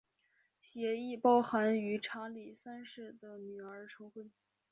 协议包含与查理三世的女儿成婚。